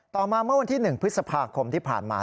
ต่อมาเมื่อวันที่๑พฤษภาคมที่ผ่านมา